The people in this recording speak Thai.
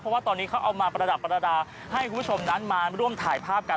เพราะว่าตอนนี้เขาเอามาประดับประดาษให้คุณผู้ชมนั้นมาร่วมถ่ายภาพกัน